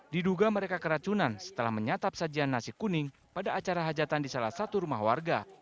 diduga mereka keracunan setelah menyatap sajian nasi kuning pada acara hajatan di salah satu rumah warga